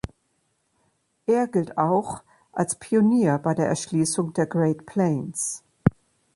Er gilt auch als Pionier bei der Erschließung der Great Plains.